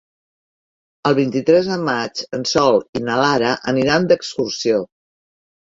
El vint-i-tres de maig en Sol i na Lara aniran d'excursió.